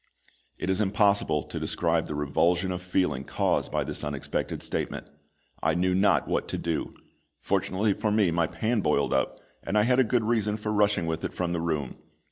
It is impossible to describe the revulsion of feeling caused by this unexpected statement. I knew not what to do. Fortunately for me my pan boiled up, and I had a good reason for rushing with it from the room.